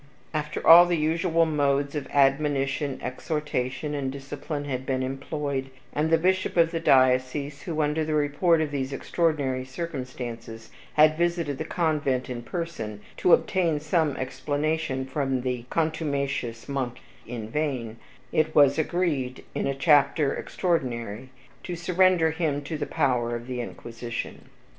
..... After all the usual modes of admonition, exhortation, and discipline had been employed, and the bishop of the diocese, who, under the report of these extraordinary circumstances, had visited the convent in person to obtain some explanation from the contumacious monk in vain, it was agreed, in a chapter extraordinary, to surrender him to the power of the Inquisition.